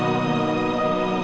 aku mau makan